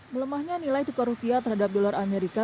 melemahnya nilai tukar rupiah terhadap dolar amerika